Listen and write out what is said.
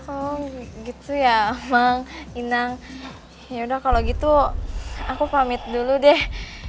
oh gitu ya emang inang ya udah kalau gitu aku pamit dulu deh